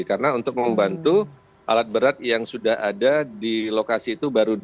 karena untuk membantu alat berat yang sudah ada di lokasi itu baru dua